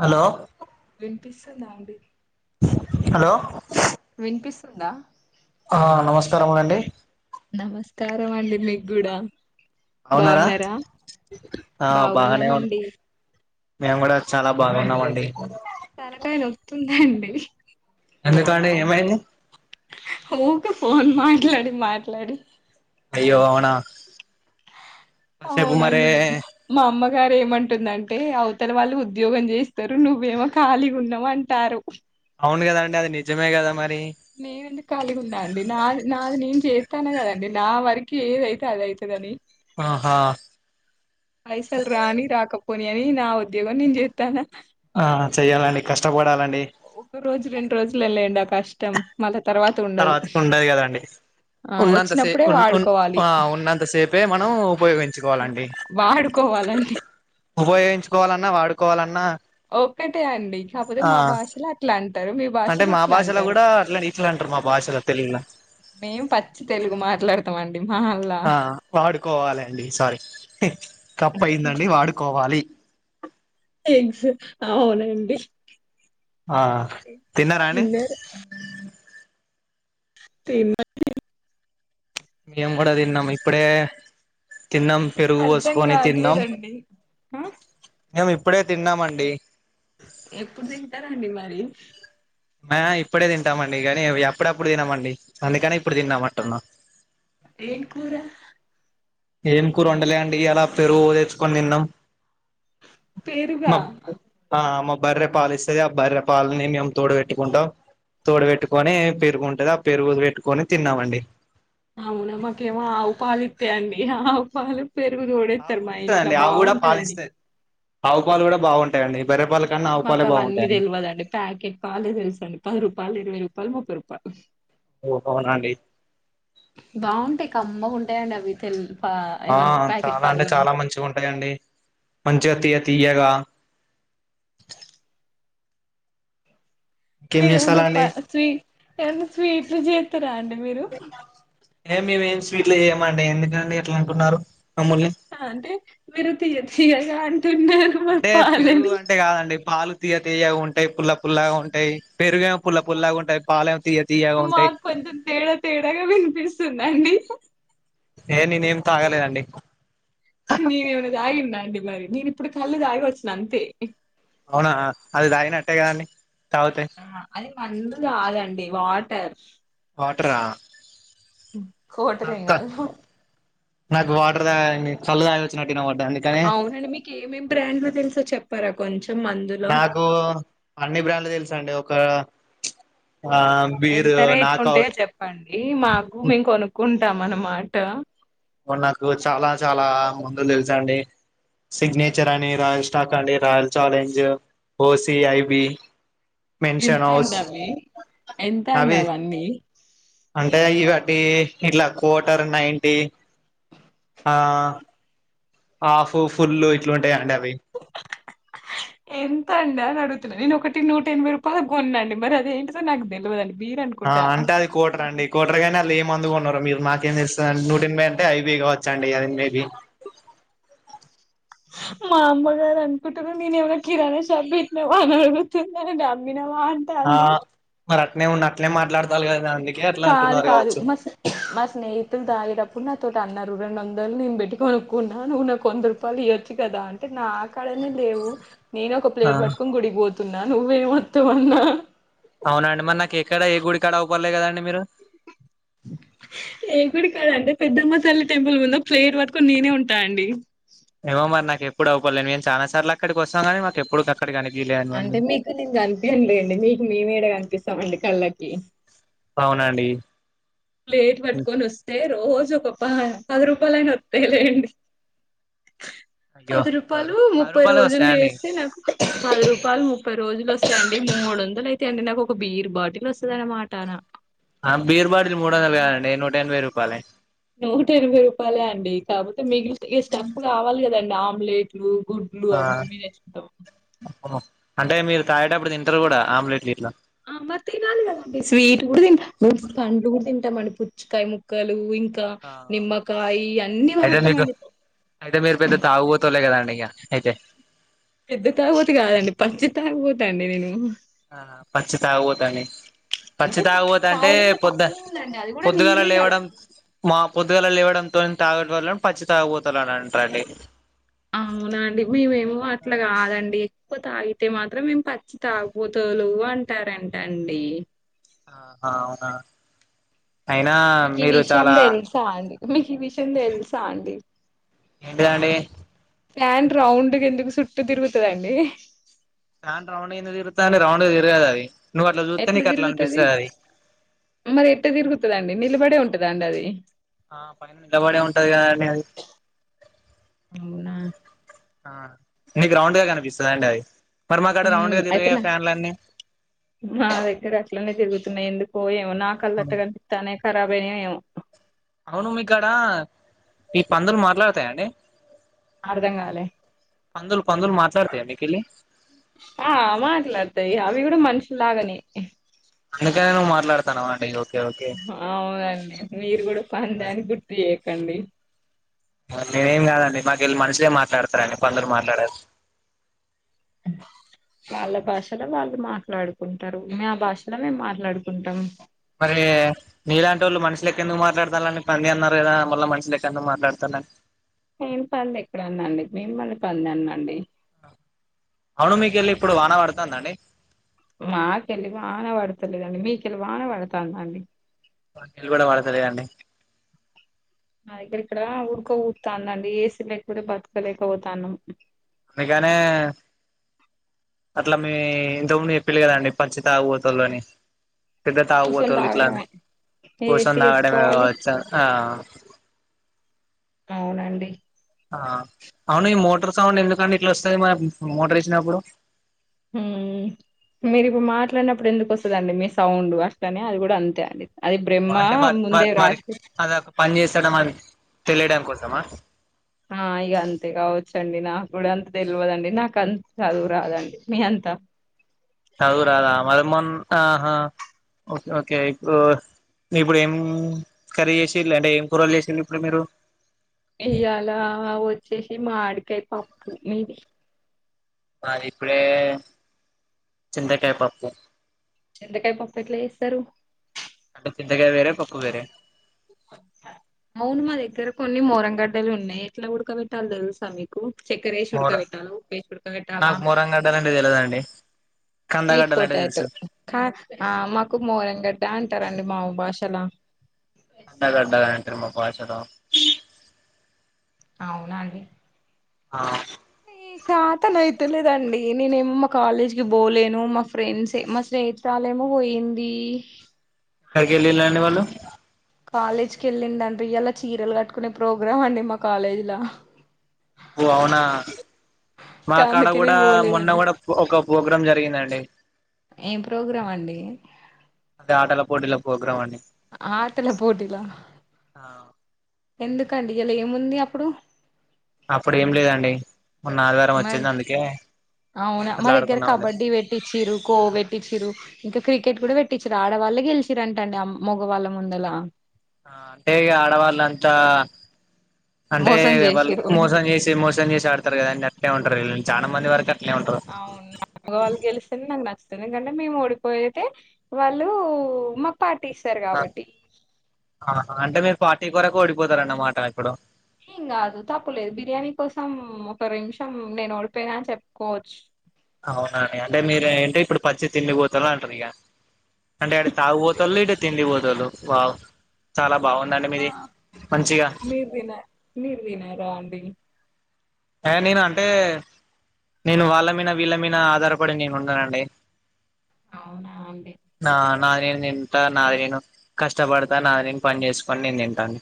Hello వినిపిస్తుంద అండి hello వినిపిస్తుందా, ఆ నమస్కారము అండి నమస్కారం అండి మీకు కూడా బాగున్నారా ఆ బాగానే ఉ బాగున్నామండి మేము కూడా చాలా బాగున్నామండి. తలకాయ నోస్తుందండి. ఎందుకు అండీ ఏమైంది. ఊక ఫోన్ మాట్లాడి, మాట్లాడి అయ్యో అవునా కాసేపు మరే అవునండి మా అమ్మ గారు ఏమంటుందంటే అవతల వాళ్ళు ఉద్యోగం చేస్తారు, నువ్వేమో ఖాళీగా ఉన్నావ అంటారు. అవును కదా అండి అది నిజమే కదా మరి, నేను ఎందుకు కలిగ ఉన్నా అండి నా నాది నేను చేస్తానే కదండి నా వరకి ఏదైతే అది అయితదాని, ఆహా పైసాలు రాని రాకపో పునియాని నా ఆ ఉద్యోగం నేను జెతానా చెయ్యాలని కష్టపడాలండి, డి ఒక రోజు రెండు రోజులు లెండి ఆ కష్టం, మళ్ళా ఆ తర్వాత ఉండదు తర్వాతకి ఉండది కదండి ఆ ఉన్నంత సే వచ్చినప్పుడే ఉ ఉ వాడుకోవాలి ఉన్నంత సేపే మనం ఉపయోగించుకోవాలండి వాడుకోవాలండి ఉపయోగించుకోవాలన్నా వాడు, కోవాలన్నా ఒకటే అండి కాకపోతే మా భాషలో అట్లా మీ అంటే భాషలు మా ఇట్లా భాషలో అంటారు కూడా అట్లా ఇట్లా అంటారు మా భాషలో తెలుగులో మేం పచ్చి తెలుగు మాట్లాడుత, వాని ఆ వాడుకోవాలి అండి సారీ కప్ప అయిందండి. వాడుకోవాలి గ్స్ అవునండి, ఆ తిన్నారా అండి. తిన్నం మేము కూడా తిన్నాము ఇప్పుడే, తిన్నాం పెరుగు అర్ధం పోసుకొని తిన్నాం కావట్లేదండి ఆ మీముపు ఇప్పుడే తిన్నామండి ఎప్పుడు తింటారండి [unintelligible] ఆ ఇప్పుడే తింటామండి, కానీ ఎప్పుడప్పుడు తినమండి అందుకనే ఇప్పుడు తిన్నామంటున్నాం ఎం కూర ఏం కూరు వండలే అండి అలా పెరుగు తెచ్చుకొని తిన్నాం. మా పేరుగా ఆ మా బర్రె పాలు ఇస్తుది ఆ బర్రె పాలని మేము తోడ పెట్టుకుంటాం, తోడ పెట్టుకొని పెరుగుంటుది. ఆ పెరుగు పెట్టుకొని తిన్నామండి. అవునా మాకేమో ఆవు పాలు ఇతయండి అండి ఆవు పాలు, పెరుగు ఆవు తోడేస్తారు కూడా మా ఇంట్లో ఇస్తదండి ఆవు కూడా బాగుంటదండి పాలిస్తది ఆవు పాలు కూడా బాగుంటాయండి బర్రె పాల కన్నా అని ఆవు మాకు పాలే అవన్నీ బాగుంటాయండి తెలివదండి ప్యాకెట్ పాలే తెలుసండి పది రూపాయలు ఇరవై రూపాయలు ముప్పై రూపాయలు ప ఓ అవునా అండి బాగుంటాయి కమ్మ ఉంటా థెలావి ఆ చాలా అంటే చాలా మంచిగా ఉంటాయండి మంచిగా తీయ తీయగా ఇంకేం మీరు ఏమన్నా ప చేస్తాలండి స్వీ ఏమన్నా స్వీట్లు చేస్తారా అండి మీరు ఏ మేమేం స్వీట్లు చేయమండీ ఎందుకండి అట్లా అంటున్నారు మమ్ముల్ని ఆ అంటే మీరు తియ తీయ్యాగాంట్ అంటే పెరుగు అంటే కాదండి పాలు తియ్యతియ్యగుం ఉంటాయి పుల్ల పుల్లాగా ఉంటాయి పెరుగమో పుల్ల పుల్లాగా ఉంటాయి పాలేమో తీయ తీయగా ఉంటాయి మాకు కొంచెం తేడా తేడాగా వినిపిస్తుందండి ఏ నేనేం తాగలేదండి నీవేమన్న తాగిందా అండీ మరి నేను ఇప్పుడు కళ్ళు తాగి వచ్చిన అంతే అవునా అది తాగినట్టే కదండీ అది మందు కాదండీ వా టర్ వాటరా నాకు కోటరెంకాదు నాకు వాటర్ తాగి కళ్ళు తాగి వచ్చినట్టు కాని అవునండి మీకు ఏమేం బ్రాండ్లు తెలుసో చెప్పారా కొంచెం మందులో నాకు అన్ని బ్రాండ్లు తెలుసండి ఒక ఆ ఎం బీర్ ఎంత రేట్లు ఉంటాయో నాకౌట్ చెప్పండి మాకు మేము కొనుక్కుంట మ్ అనమాట నాకు చాలా చాలా మందులు తెలుసండి సిగ్నేచర్ అని రాయల్ స్టాక్ అండి Royal Challenge OC IB Mansion ఎంత హౌస్ అండి అవి ఎంత అండీ అవి అవన్నీ అంటే ఇ వాటి ఇట్లా కోటర్ నైంటి ఆ హాఫ్ ఫుల్లు ఇట్లుంటాయి అండి ఎంత అండి అని అడుగుతున్నా నేను ఒకటి నూట ఎనభై రూపాయలు కొన్నా అండి మరి అదేంటిదో నాకు తెలివదండి ఆ అంటే అది కోటర అండి కోటర కాని అందులో ఎం మందుగా కోన్నారు మీరు నాకేం తెస్తాది అండీ నూటఎనభై అంటే ఐబి సండే గ మేబి మా అమ్మగారు అనుకుంటున్నారు నేను ఏమైనా కిరాణా షాప్ పెట్టినావా అని అడుగుతున్నారు అమ్ పెట్టినవా అంటంది మరా కాదు అంటున్నారు కాదు కావచ్చు మా స్నేహితుడు దాని కొత్తనాతోనేండు రెండు వందలు నేను పెట్టి కొనుక్కున్నా నువ్వు నాకు వంద రూపాయలు ఇవ్వొచ్చు కదా అంటే నాక్కడనే లేవు నేను ఒక ఆ ప్లేట్ పటకుని గుడి పోతున్న వెళ్తున్న నువేం వత్తావన్న అవునండి మరి నాకు ఎక్కడ ఏ గుడి కాడ అవుపాడలేద కదండి మీరు ఏగుడి కడంటే పెద్దమ్మ తల్లి టెంపుల్ ముందు ప్లేట్ పట్టుకుని నేనే ఉంటానండి ఏమో మరి నా ఎప్పుడు అవుపల్లె నేను చానా సార్లు అక్కడికొస్తా అంటే మీకు నేను కనిపంలేండి మీకు మీ నీడ కనిపిస్తా రెండు కళ్ళకి అవునండి ప్లేట్ పట్టుకొని వస్తే రోజు ఒక పది రూపాయలనా వస్తాయిలేండి అయ్యో పది రూపాయలు పది ముప్పై రూపాయలే రోజులు వస్తాయా అండి చేస్తే నాకు పది రూపాయలు ముప్పై రోజులు వస్తాండి మూడు వందలు అయి అ అండి నాకు ఒక బీర్ బాటిల్ వస్తుంది అనమాట నా ఆ బీర్ బాటిల్ మూడు వందలు కాదండీ నూట ఎనభై రూపాయలు పాలే నూట ఇరవై రూపాయలే అండి కాకపోతే మిగిలి ఈ స్టఫ్ కావాలి కదండి ఆ ప్లేట్లు ఆ అంటే మీరు తాగేటపుడు తింటారు కూడా ఆమ్లెట్లు ఇట్లా ఆ మరి తినాలి కదా అండి స్వీట్ కూడా తింట పండు కూడా తింటామండి పుకుచ్చకాయ ముక్కలు ఇంకా ఆ నిమ్మకాయ అన్ని అయితే మీకు వాడతామండి అయితే మీరు పెద్ద తాగుపోతోలే కదాండి అయితే పెద్ద తాగిపోతే కాదండి పచ్చి తాగిపోతా అండి నేను ఆ పచ్చి తాగుపోతు అంటే పచ్చి అంటే తాగుపోత అంటే తాగడంలో పొద్దు తప్పేముందండి అది కూడా పొద్దుగల నీళ్ళే లేవడం కదండి మా పొద్దుగల లేవడంతో తాగట్ వాళ్ళని పచ్చి తాగపోతాలని అంటారండి అవునాండి మేమేమో అట్లా కాదండి ఎక్కువ తాగితే మాత్రం మేం పచ్చి తాగుబోతోలు అంటారంట అండి. ఆ అవునా. అయినా మీకు ఈ మీరు విషయం చాలా తెలుసా అండి. మీకు ఈ విషయం తెలుస్ సా అండి. ఎంటిదండి. ప్యాన్ రౌండ్ గా ఎందుకు చుట్టూ తిరుగుతదండి. ఫ్యాన్ రౌండ్ గా ఎందుకు తిరుగుతది అండి రౌండ్ గా తిరుగదది. ఎట్లా తిరుగుతది మరి ఎట్ల తిరుగుతదండీ నిలబడే ఉం టాదా అండి అది. ఆ పైనా నిలబడే ఉంటది కదా అండి అది. అవునా ఆ నీకు రౌండ్ గా కనిపిస్తదా అండి అది. మరి మాకాడ రౌండ్ ఉమ్ గా తిరిగే అయితేనా ఫ్యాన్లన్నీ మా దగ్గర అట్లనే తిరుగుతున్నయి ఎందు కో ఎ మో నాకల్లు అట్ల కనిపిత్తన్నయి కరాబ్ అయినయో ఎమో. అవును మీకాడా ఈ పందులు మాట్లాడతయా అండి. అర్ధంగాలే పందులు మాట్లాడతాయా మీకెళ్ళి ఆ మాట్లాతయి అవి అవి కూడా మనషులాగానే కనపడ్డయి రోజు అవునండి మీరు కూడా పందే అని గుర్తుచేయ కండి. నేనేం కాదండి మాకెళ్ళి మనుషులే మాట్లాడతరు అండి పందులు మాట్లాడరు. వాళ్ళ భాషలో వాళ్ళు మాట్లాడుకుంటరు. మా భాషలో మేము మాట్లాడుకుంటం. మరి నీలాంటోళ్ళు మనుషిలెక్క ఎందుకు మాట్లాడతాంలు అండి పంది అన్నారు కదా మళ్ళీ మనుషి లెక్క ఎందుకు మాట్లాడతాంలు అండి. నేను పంది ఎక్కడా అన్నా అండి, మిమ్మల్ని పంది అన్నా అండి. అవును మీకెళ్ళి ఇప్పుడు వాన పడతాందా అండి. మాకెళ్ళి వానా పడతలేదండి. మీకెళ్ళి వానా పడుతాందా అండి. మాకెల్లి కూడా పడతలేదండి. నా దగ్గర ఇక్కడ ఉడకపోతాందండి. ఏసీ లేకపోతే బతకలేకపోతాన్నాం. అందుకనే అట్లా మీ ఇంతకు ముందు చెప్పిల్లు కదా అండి పచ్చితాగుబోతోల్లని పెద్ద కూసోని తాగుబోతోళ్ళు ఇట్లా అని తాగడమే ఏసీ కూసోని తాగడమే వేసుకోవాలి కావచ్చా ఆ అవునండి. ఆ అవును ఈ మోటార్ సౌండ్ ఎందుకండి ఇట్లా వస్తది మనం మోటర్ ఏసినప్పుడు. హ్ మీరిప్పు మాట్లాడినప్పుడు ఎందుకు వస్తదండి మీ సౌండ్ అట్లనే అది కూడా అంతే అండి. అది ఓ బ్రహ్మ అంటే వ వ ముందే వర్క్ రాసి అది ఒక పని చేస్తాన్నాం అని. తెలియడం కోసమా. ఆ ఇగ అంతే కావచ్చండి. నాకు కూడా అంత తెలియదండి. నాకు అంత చదువు రాదండి మీ అంతా. చదువురాదా మరి మోన్ ఆహా ఓకే ఓకే ఇప్పు ఇప్పుడు ఏం కర్రీ చేసిళ్ళు అంటే ఏం కూరలు చేసిళ్ళు ఇప్పుడు మీరు. ఇలా అలా వచ్చేసి మామిడికాయ పప్పు మీది అ ఇప్పుడే చింతకాయ పప్పు చింతకాయ పప్పు ఎట్ల చేస్తారు అంటే చింతకాయ వేరే పప్పు వేరే అవును మా దగ్గర కొన్ని మోరం గడ్డలు ఉన్నాయి ఎట్ల ఉడకబెట్టాలి తెలుసా మీకు చెక్కర వేసి ఉడుక మోర బెట్టాల ఉప్పు వేసి ఉడుక బెట్టాలా నాకు మోరం గడ్డలంటే తెలవదండి స్వీట్ కందగడ్డలంటే పొటాటో తెలుసు క హా మాకు మోరం గడ్డ అంటారండి మా ఊరు భాష ఎలా కంద గడ్డ అంటరు మా భాష క హా అవునా అండి ఆ చాతన అయితలేదండి నేనెమో మా కాలేజ్కి పోలేను మా ఫ్రెండ్స్ మా స్నేహితురాాలేమో పోయింది ఎట్లా ఎల్లిలాండీ వాళ్ళు కాలేజ్ కి వెళ్ళిందంటా ఇవాళ చీరలు కట్టుకునే ప్రోగ్రాం అండి మా కాలేజ్ లా హ్హ్ ఓ అవునా ఇంకా మాకాడ అందుకే కూడా నేను మొన్న పోలేదండి కూడా ఒక ప్ ప్రోగ్రాం జరిగిందండి ఏం ప్రోగ్రాం అండి అదే ఆటల పోటీల ప్రోగ్రాం అండి ఆటల పోటీలా ఆ ఎందుకండి ఇవలా ఏముంది అప్పుడు అక్కడ ఏం లేదండి మొన్న ఆదివారం మరి వచ్చింది అందుకే అవునా మా అట్లా దగ్గర ఆడుకున్నామండి కబడ్డీ పెట్టిచ్చిరు ఖో ఖో పెట్టిచ్చరు ఇంకా క్రికెట్ కూడా పెట్టి టీచర్ ఆడవాళ్లే గెలిచిరంటా అండి ఆ మగవాళ్ళ ముందలా ఆ అంటే ఇగ ఆడవాళ్లంతా అంటే మోసం వాళ్ళు చేసిర్రు మోసం చేసి మోసం చేసి ఆడుతారుగదండి అట్నే ఉంటారు వీళ్ళు చాలా మంది వరకు హా అవును మొగవాళ్ళు గెలిస్తే నాకు నచ్చు ఎందుకంటే మేము ఓడిపోతే వాళ్ళు మా పార్టీ ఇస్తారు ఆ కాబట్టి ఆ అంటే మీరు పార్టీ కొరకు ఓడిపోతారన్నమాట ఇప్పుడు ఏం కాదు తప్పులేదు బిర్యానీ కోసం మ్ ఒక నిమిషం నేను ఓడిపోయినా అని చెప్పుకోవచ్చు. అవునా అండి అంటే మీరు ఏంటి ఇప్పుడు పచ్చి తిండి బోతులు అంటరు ఇగ అంటే ఆడ తాగుబోతోళ్ళు ఇటు తిండి బోతోళ్ళు వావ్ చాలా బాగుందండి ఆ మీది మంచిగా మీరు తినండి మీరు తినారా అండి హే నేను అంటే నేను వాళ్ళ మీద వీళ్ళ మీద ఆధారపడి నేను ఉండనండి అవునా అండి నా నాది నేను తింటా నాది నేను కష్టపడతా నాది నేను పని చేసుకొని నేను తింటాను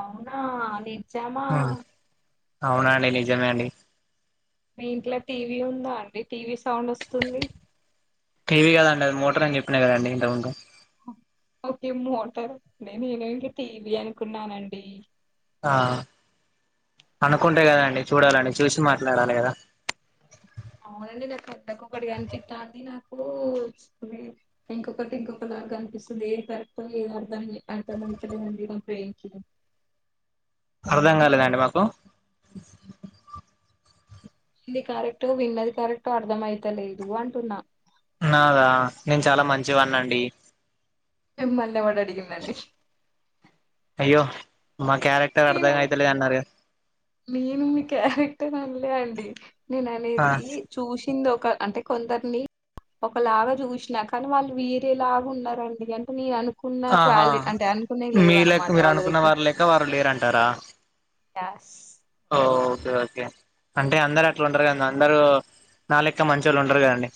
అవునా నిజమా అవునా అండి నిజమే అండి మీ ఇంట్ల టీవీ ఉందా అండి టీవీ సౌండ్ వస్తుంది. టీవీ కాదండి అది మోటర్ అని చెప్పిన కదండి ఇంతకు ముందు ఓకే మోటరా నేనే ఇంక టీవీ అనుకున్నానండి. ఆ అనుకుంటే కాద్ అండి చూడాలండి చూసి మాట్లాడాలె కదా అవునండి నా కళ్ళకు ఒకటి కనిపిత్తాన్ది నాకు ఇంకొకటి ఇంకొక లాగా కనిపిస్తుంది. ఏ కరెక్టో ఏ అర్థం అర్థంమయితలేదండి నా బ్రెయిన్కి అర్థం కాలేదండి మాకు ఇది కరెక్టో విన్నది కరెక్టో అర్థం అయితలేదు అంటున్నా నాదా నేను చాలా మంచివాన్నండి మిమ్మల్న్ ఎవడ్ అడిగిండండి. అయ్యో మా క్యారెక్టర్ అర్ధంగా అయితలేద్ అన్నరుగా లే అండి నేను అనేది చూస్ వచ్చింది ఒక అంటే కొందర్ని ఒకలాగా చూసినా కానీ వాళ్ళు వేరేలాగా ఉన్నరండి. అంటే నేను అను ఆహా మీ లే మీరు వాళ్ళ అనుకున్న దగ్గర వారి లెక్క వారు లేర అంటారా యాస్ సరే ఓకే అంటే అందరు అట్ల ఉండరు కదా అందరూ నా లెక్క మంచోళ్ళు ఉండరు కదండి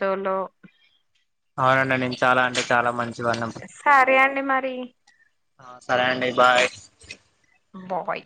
చోళ్ళో అవునండి నేన్ చాలా అంటే చాలా మం సరే అండి మరి ఆ సరే అండి బాయ్ బా బాయ్